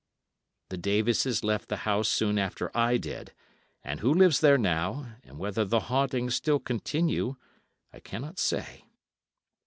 The Davises left the house soon after I did, and who lives there now, and whether the hauntings still continue, I cannot say.